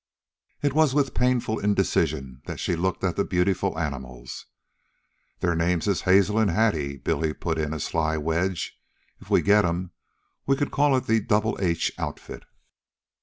It was with painful indecision that she looked at the beautiful animals. "Their names is Hazel an' Hattie," Billy put in a sly wedge. "If we get 'em we could call it the 'Double H' outfit."